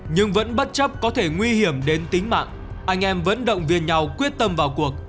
nhưng vẫn bất chấp có thể nguy hiểm đến tính mạng anh em vẫn động viên nhau quyết tâm vào cuộc